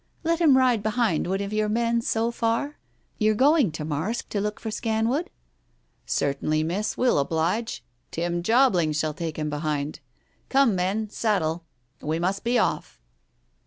Let him ride behind one of your men so far? You're going to Marske to look for Scanwood ?" "Certainly, Miss, we'll oblige you. Tim Jobling shall take him behind. Come, men, saddle. We must be off."